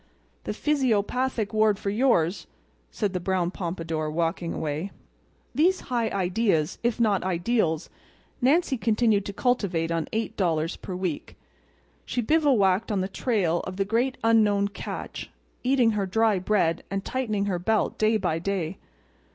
"The physiopathic ward for yours!" said the brown pompadour, walking away. These high ideas, if not ideals—Nancy continued to cultivate on $8. per week. She bivouacked on the trail of the great unknown "catch," eating her dry bread and tightening her belt day by day.